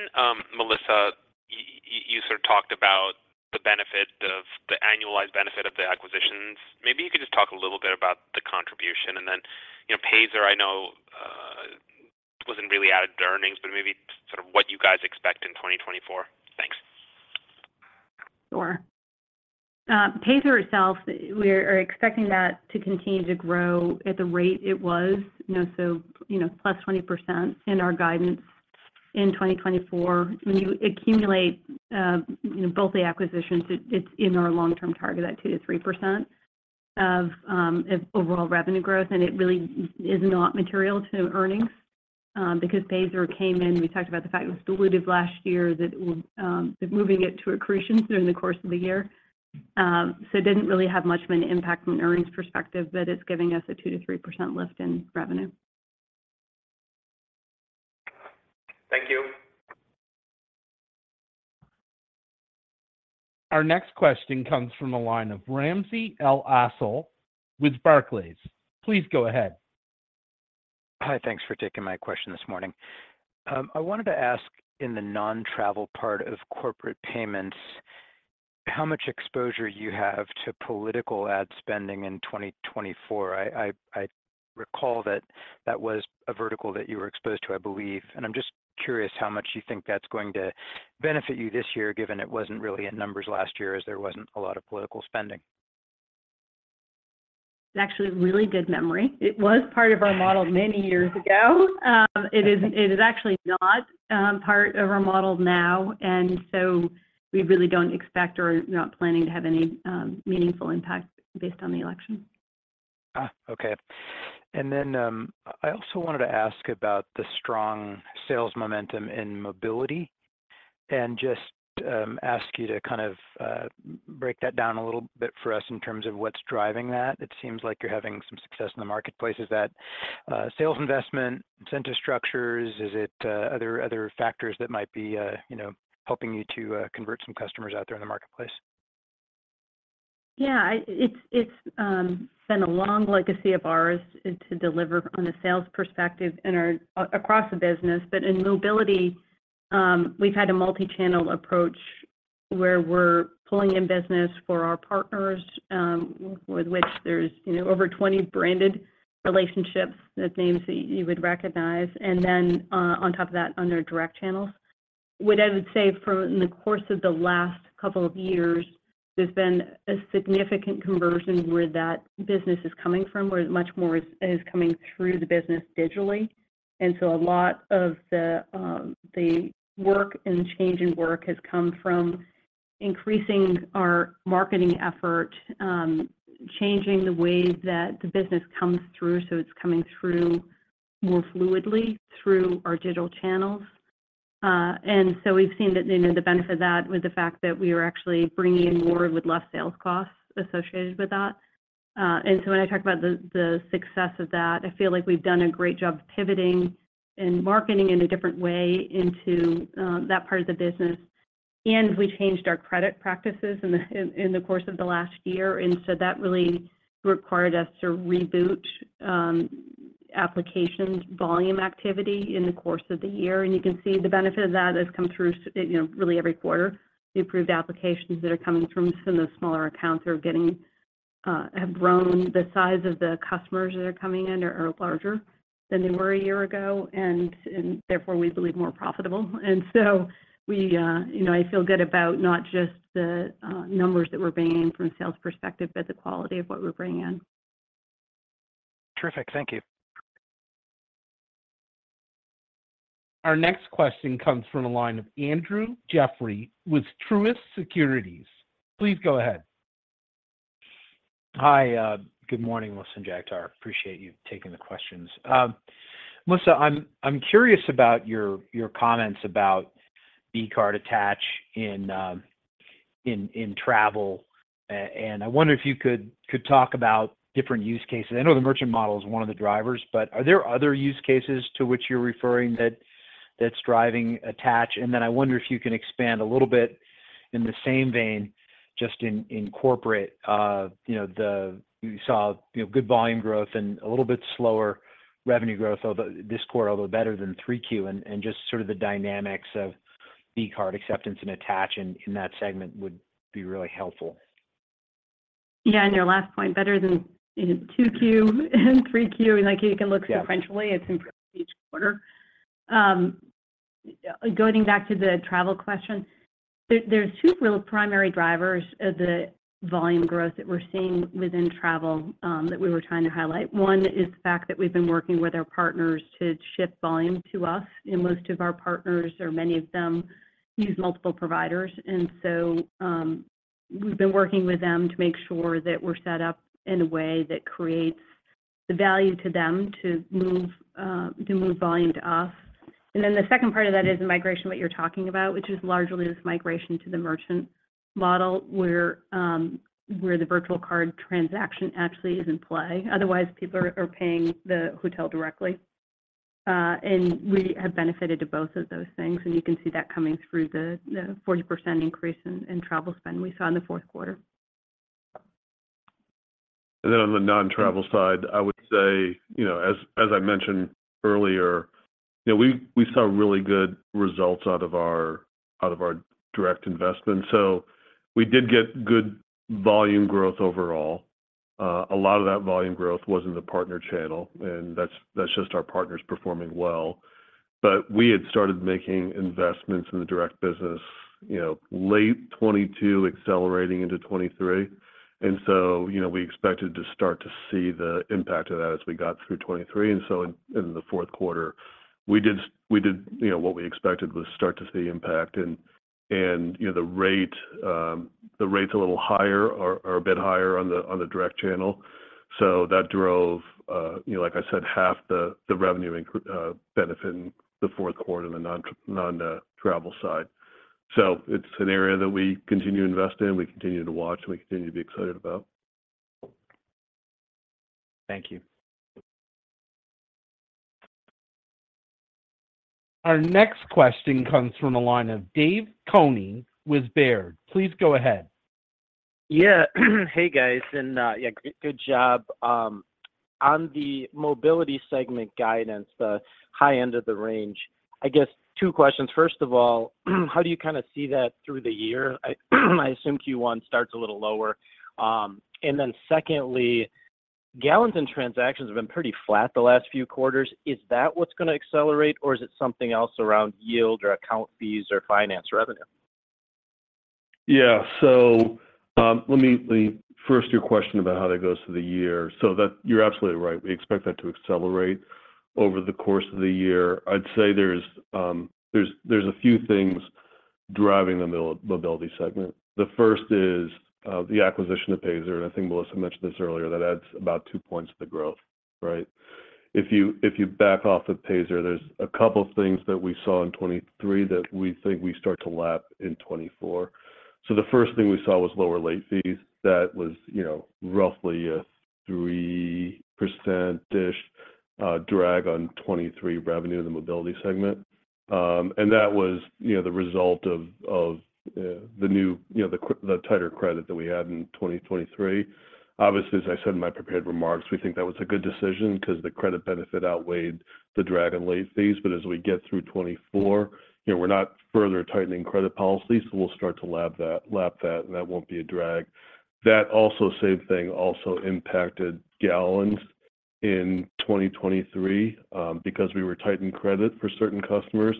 S7: Melissa, you sort of talked about the benefit of the annualized benefit of the acquisitions. Maybe you could just talk a little bit about the contribution, and then, you know, Payzer, I know, wasn't really out of the earnings, but maybe sort of what you guys expect in 2024. Thanks.
S6: Sure. Payzer itself, we are expecting that to continue to grow at the rate it was. You know, so, you know, +20% in our guidance in 2024. When you accumulate, you know, both the acquisitions, it's in our long-term target, that 2%-3% of overall revenue growth, and it really is not material to earnings. Because Payzer came in, we talked about the fact it was dilutive last year, that moving it to accretion during the course of the year. So it didn't really have much of an impact from an earnings perspective, but it's giving us a 2%-3% lift in revenue.
S7: Thank you.
S1: Our next question comes from the line of Ramsey El-Assal with Barclays. Please go ahead.
S8: Hi, thanks for taking my question this morning. I wanted to ask, in the non-travel part of corporate payments, how much exposure you have to political ad spending in 2024? I recall that that was a vertical that you were exposed to, I believe, and I'm just curious how much you think that's going to benefit you this year, given it wasn't really in numbers last year, as there wasn't a lot of political spending.
S6: It's actually really good memory. It was part of our model many years ago. It is actually not part of our model now, and so we really don't expect or are not planning to have any meaningful impact based on the election.
S8: Ah, okay. And then, I also wanted to ask about the strong sales momentum in mobility and just ask you to kind of break that down a little bit for us in terms of what's driving that. It seems like you're having some success in the marketplace. Is that sales investment, incentive structures? Is it other factors that might be, you know, helping you to convert some customers out there in the marketplace?
S6: Yeah, it's been a long legacy of ours and to deliver from a sales perspective in our across the business. But in mobility, we've had a multi-channel approach, where we're pulling in business for our partners, with which there's, you know, over 20 branded relationships with names that you would recognize, and then on top of that, on their direct channels. What I would say from the course of the last couple of years, there's been a significant conversion where that business is coming from, where much more is coming through the business digitally. And so a lot of the work and change in work has come from increasing our marketing effort, changing the way that the business comes through, so it's coming through more fluidly through our digital channels. And so we've seen that, you know, the benefit of that with the fact that we are actually bringing in more with less sales costs associated with that. And so when I talk about the success of that, I feel like we've done a great job pivoting and marketing in a different way into that part of the business. And we changed our credit practices in the course of the last year, and so that really required us to reboot applications, volume activity in the course of the year. And you can see the benefit of that has come through, you know, really every quarter. The approved applications that are coming from some of the smaller accounts have grown. The size of the customers that are coming in are larger than they were a year ago, and therefore, we believe, more profitable. And so we, you know, I feel good about not just the numbers that we're bringing in from a sales perspective, but the quality of what we're bringing in.
S8: Terrific. Thank you.
S1: Our next question comes from the line of Andrew Jeffrey with Truist Securities. Please go ahead.
S9: Hi. Good morning, Melissa and Jagtar. Appreciate you taking the questions. Melissa, I'm curious about your comments about V card attach in travel, and I wonder if you could talk about different use cases. I know the merchant model is one of the drivers, but are there other use cases to which you're referring that's driving attach? And then I wonder if you can expand a little bit in the same vein, just in corporate, you know, you saw, you know, good volume growth and a little bit slower revenue growth, although this quarter, although better than Q3, and just sort of the dynamics of V card acceptance and attach in that segment would be really helpful.
S6: Yeah, and your last point, better than in Q2 and Q3, and like you can look sequentially-
S9: Yeah...
S6: it's improved each quarter. Yeah, going back to the travel question, there, there's two real primary drivers of the volume growth that we're seeing within travel, that we were trying to highlight. One is the fact that we've been working with our partners to shift volume to us, and most of our partners or many of them use multiple providers. And so, we've been working with them to make sure that we're set up in a way that creates the value to them to move to move volume to us. And then the second part of that is the migration, what you're talking about, which is largely this migration to the merchant model, where where the virtual card transaction actually is in play. Otherwise, people are paying the hotel directly. We have benefited from both of those things, and you can see that coming through the 40% increase in travel spend we saw in the Q4.
S4: And then on the non-travel side, I would say, you know, as I mentioned earlier, you know, we saw really good results out of our direct investment. So we did get good volume growth overall. A lot of that volume growth was in the partner channel, and that's just our partners performing well. But we had started making investments in the direct business, you know, late 2022, accelerating into 2023. And so, you know, we expected to start to see the impact of that as we got through 2023. And so in the Q4, we did what we expected was start to see impact. And, and, you know, the rate's a little higher or a bit higher on the direct channel. So that drove, you know, like I said, half the revenue increase benefit in the Q4 on the non-travel side. So it's an area that we continue to invest in, we continue to watch, and we continue to be excited about.
S1: Thank you. Our next question comes from the line of David Koning with Baird. Please go ahead.
S10: Yeah. Hey, guys, and yeah, good job. On the mobility segment guidance, the high end of the range, I guess two questions. First of all, how do you kind of see that through the year? I assume Q1 starts a little lower. And then secondly, gallons and transactions have been pretty flat the last few quarters. Is that what's going to accelerate, or is it something else around yield or account fees or finance revenue?
S4: Yeah. So, let me first, your question about how that goes through the year. So that you're absolutely right. We expect that to accelerate over the course of the year. I'd say there's a few things driving the mobility segment. The first is the acquisition of Payzer, and I think Melissa mentioned this earlier, that adds about 2 points to the growth, right? If you back off of Payzer, there's a couple things that we saw in 2023 that we think we start to lap in 2024. So the first thing we saw was lower late fees. That was, you know, roughly a 3%-ish drag on 2023 revenue in the mobility segment. And that was, you know, the result of the tighter credit that we had in 2023. Obviously, as I said in my prepared remarks, we think that was a good decision because the credit benefit outweighed the drag and late fees. But as we get through 2024, you know, we're not further tightening credit policy, so we'll start to lap that, and that won't be a drag. That also, same thing, also impacted gallons in 2023, because we were tightening credit for certain customers.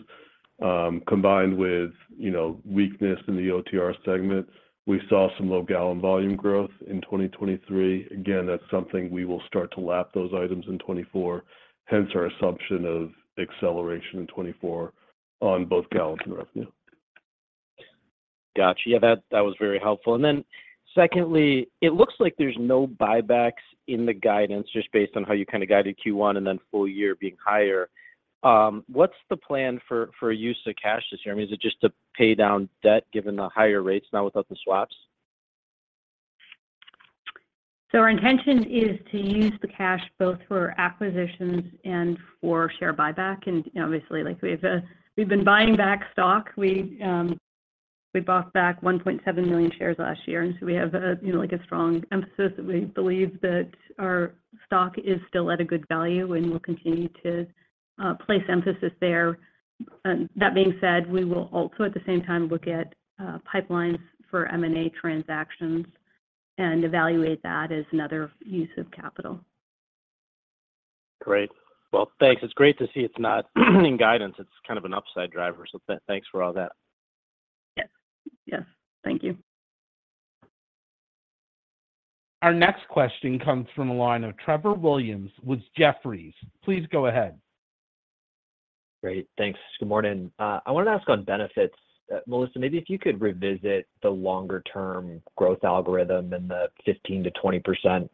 S4: Combined with, you know, weakness in the OTR segment, we saw some low gallon volume growth in 2023. Again, that's something we will start to lap those items in 2024, hence our assumption of acceleration in 2024 on both gallons and revenue.
S10: Got you. Yeah, that, that was very helpful. And then secondly, it looks like there's no buybacks in the guidance, just based on how you kind of guided Q1 and then full year being higher. What's the plan for, for use of cash this year? I mean, is it just to pay down debt, given the higher rates now without the swaps?
S6: So our intention is to use the cash both for acquisitions and for share buyback. Obviously, like, we've, we've been buying back stock. We, we bought back 1.7 million shares last year, and so we have a, you know, like, a strong emphasis that we believe that our stock is still at a good value, and we'll continue to, place emphasis there. That being said, we will also, at the same time, look at, pipelines for M&A transactions and evaluate that as another use of capital.
S10: Great. Well, thanks. It's great to see it's not in guidance. It's kind of an upside driver, so thanks for all that.
S6: Yes. Yes, thank you.
S1: Our next question comes from the line of Trevor Williams with Jefferies. Please go ahead.
S11: Great. Thanks. Good morning. I wanted to ask on benefits. Melissa, maybe if you could revisit the longer-term growth algorithm and the 15%-20%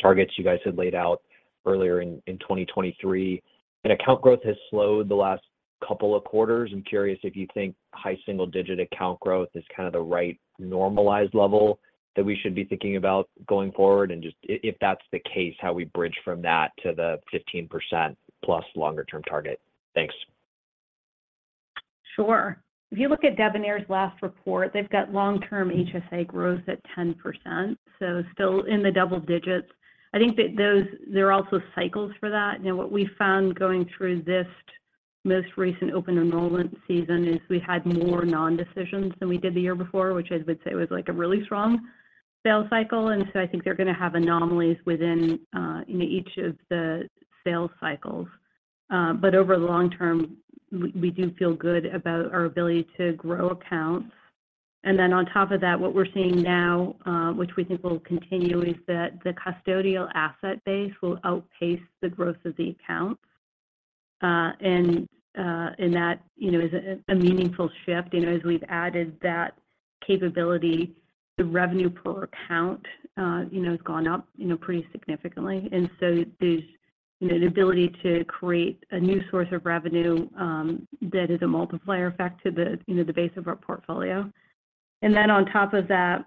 S11: targets you guys had laid out earlier in 2023. Account growth has slowed the last couple of quarters. I'm curious if you think high single-digit account growth is kind of the right normalized level that we should be thinking about going forward, and just if that's the case, how we bridge from that to the 15%+ longer-term target? Thanks.
S6: Sure. If you look at Devenir's last report, they've got long-term HSA growth at 10%, so still in the double digits. I think that those—there are also cycles for that. You know, what we found going through this most recent open enrollment season is we had more non-decisions than we did the year before, which I would say was, like, a really strong sales cycle, and so I think they're gonna have anomalies within each of the sales cycles. But over the long term, we do feel good about our ability to grow accounts. And then on top of that, what we're seeing now, which we think will continue, is that the custodial asset base will outpace the growth of the accounts. And that, you know, is a meaningful shift. You know, as we've added that capability, the revenue per account, you know, has gone up, you know, pretty significantly. And so there's, you know, the ability to create a new source of revenue, that is a multiplier effect to the, you know, the base of our portfolio. And then on top of that,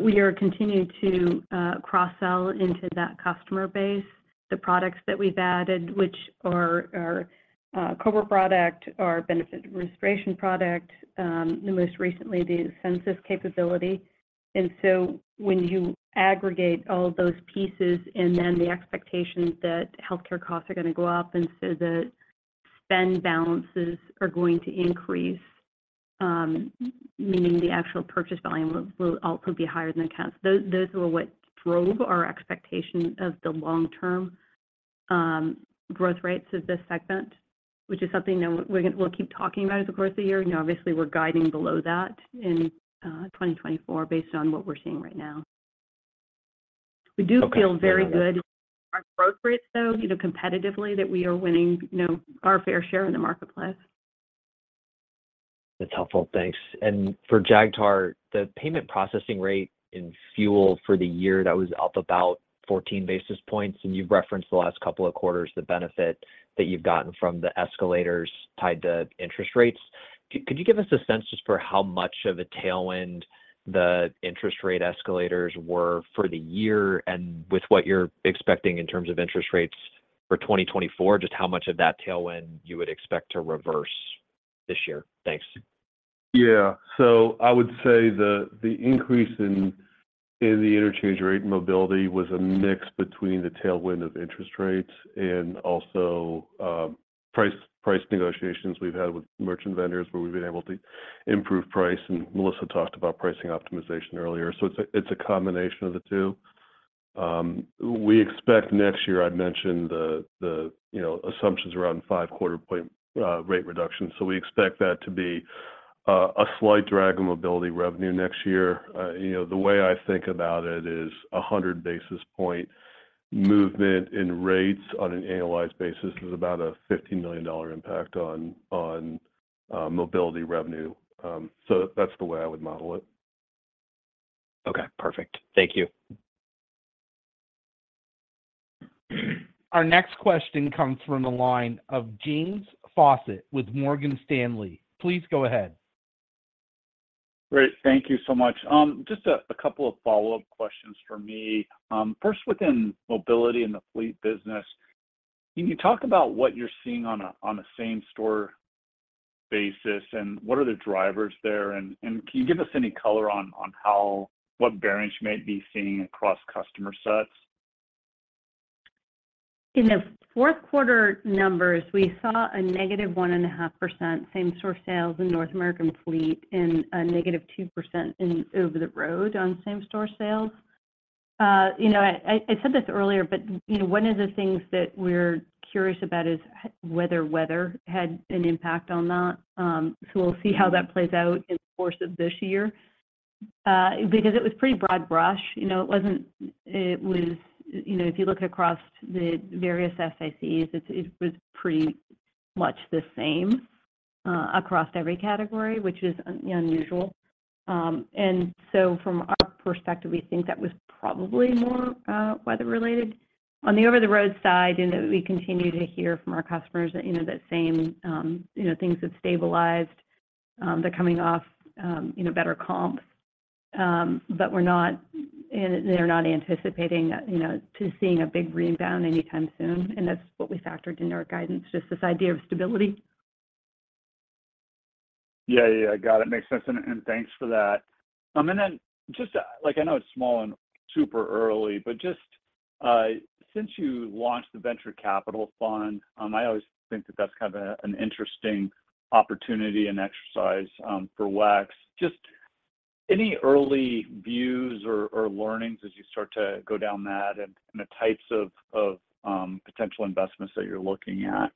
S6: we are continuing to, cross-sell into that customer base. The products that we've added, which are our, COBRA product, our benefit administration product, and most recently, the Ascensus capability. And so when you aggregate all of those pieces and then the expectation that healthcare costs are gonna go up, and so the spend balances are going to increase, meaning the actual purchase volume will also be higher than accounts. Those, those are what drove our expectation of the long-term growth rates of this segment, which is something that we're gonna-- we'll keep talking about it across the year. You know, obviously, we're guiding below that in 2024 based on what we're seeing right now.
S11: Okay.
S6: We do feel very good our growth rates, though, you know, competitively, that we are winning, you know, our fair share in the marketplace.
S11: That's helpful. Thanks. And for Jagtar, the payment processing rate in fuel for the year, that was up about 14 basis points, and you've referenced the last couple of quarters the benefit that you've gotten from the escalators tied to interest rates. Could you give us a sense just for how much of a tailwind the interest rate escalators were for the year, and with what you're expecting in terms of interest rates for 2024, just how much of that tailwind you would expect to reverse this year? Thanks.
S4: Yeah. So I would say the increase in the interchange rate and mobility was a mix between the tailwind of interest rates and also price negotiations we've had with merchant vendors, where we've been able to improve price, and Melissa talked about pricing optimization earlier, so it's a combination of the two. We expect next year. I'd mentioned the you know assumptions around 5 quarter-point rate reduction. So we expect that to be a slight drag on mobility revenue next year. You know, the way I think about it is a 100 basis point movement in rates on an annualized basis is about a $50 million impact on mobility revenue. So that's the way I would model it.
S11: Okay, perfect. Thank you.
S1: Our next question comes from the line of James Faucette with Morgan Stanley. Please go ahead.
S12: Great. Thank you so much. Just a couple of follow-up questions for me. First, within Mobility and the Fleet business, can you talk about what you're seeing on a same-store basis, and what are the drivers there? And can you give us any color on what variance you might be seeing across customer sets?
S6: In the Q4 numbers, we saw a negative 1.5% same-store sales in North American fleet and a negative 2% in over-the-road on same-store sales. You know, I said this earlier, but, you know, one of the things that we're curious about is whether weather had an impact on that. So we'll see how that plays out in the course of this year, because it was pretty broad brush, you know? It wasn't it was. You know, if you look across the various SaaS, it was pretty much the same, across every category, which is unusual. And so from our perspective, we think that was probably more weather-related. On the over-the-road side, you know, we continue to hear from our customers that, you know, that same, you know, things have stabilized. They're coming off, you know, better comp. But we're not... and they're not anticipating, you know, to seeing a big rebound anytime soon, and that's what we factored into our guidance, just this idea of stability.
S12: Yeah. Yeah. I got it. Makes sense, and thanks for that. And then just, like, I know it's small and super early, but just since you launched the venture capital fund, I always think that that's kind of an interesting opportunity and exercise for WEX. Just any early views or learnings as you start to go down that and the types of potential investments that you're looking at?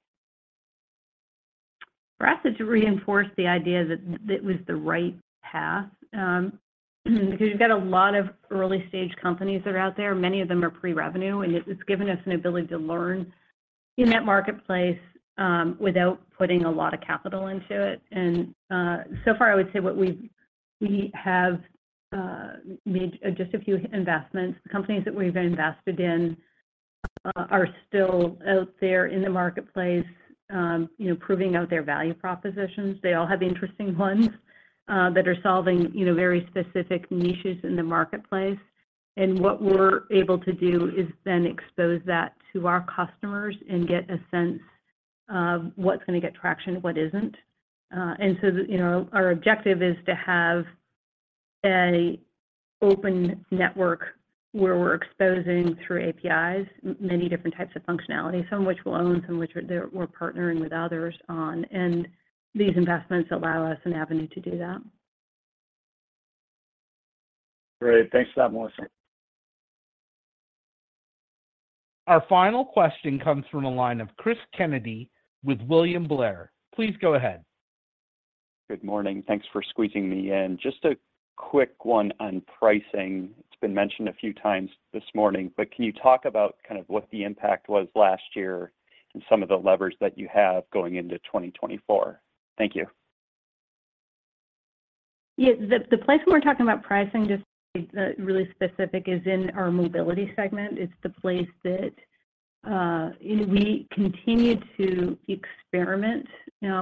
S6: For us, it's reinforced the idea that that was the right path, because you've got a lot of early-stage companies that are out there. Many of them are pre-revenue, and it's given us an ability to learn in that marketplace, without putting a lot of capital into it. And so far, I would say what we have made just a few investments. Companies that we've invested in are still out there in the marketplace, you know, proving out their value propositions. They all have interesting ones that are solving, you know, very specific niches in the marketplace. And what we're able to do is then expose that to our customers and get a sense of what's gonna get traction and what isn't. And so, you know, our objective is to have a open network-...where we're exposing through APIs, many different types of functionality, some of which we'll own, some which we're partnering with others on, and these investments allow us an avenue to do that.
S12: Great. Thanks for that, Melissa.
S1: Our final question comes from the line of Chris Kennedy with William Blair. Please go ahead.
S13: Good morning. Thanks for squeezing me in. Just a quick one on pricing. It's been mentioned a few times this morning, but can you talk about kind of what the impact was last year and some of the levers that you have going into 2024? Thank you.
S6: Yeah, the place where we're talking about pricing, just to be really specific, is in our mobility segment. It's the place that we continue to experiment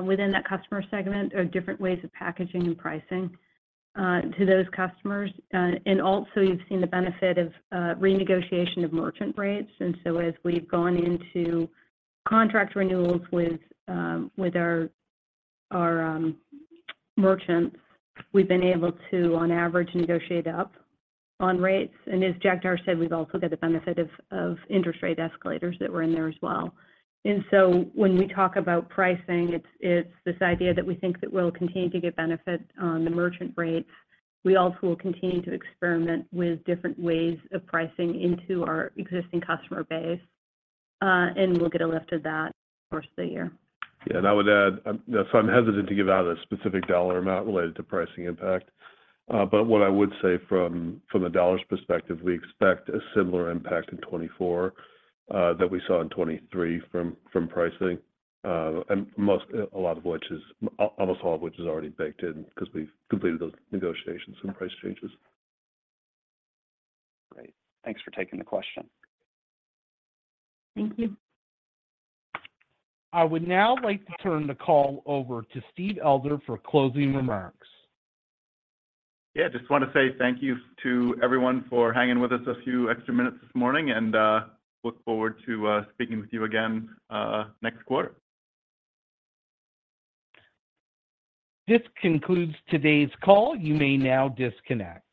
S6: within that customer segment or different ways of packaging and pricing to those customers. And also you've seen the benefit of renegotiation of merchant rates. And so as we've gone into contract renewals with our merchants, we've been able to, on average, negotiate up on rates. And as Jagtar said, we've also got the benefit of interest rate escalators that were in there as well. And so when we talk about pricing, it's this idea that we think that we'll continue to get benefit on the merchant rates. We also will continue to experiment with different ways of pricing into our existing customer base, and we'll get a lift of that over the course of the year.
S4: Yeah, and I would add. So I'm hesitant to give out a specific dollar amount related to pricing impact. But what I would say from a dollars perspective, we expect a similar impact in 2024 that we saw in 2023 from pricing. And almost all of which is already baked in because we've completed those negotiations and price changes.
S13: Great. Thanks for taking the question.
S6: Thank you.
S1: I would now like to turn the call over to Steve Elder for closing remarks.
S2: Yeah, just want to say thank you to everyone for hanging with us a few extra minutes this morning, and look forward to speaking with you again next quarter.
S1: This concludes today's call. You may now disconnect.